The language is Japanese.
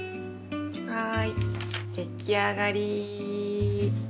はい出来上がり！